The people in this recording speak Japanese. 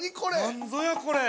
◆何ぞや、これ。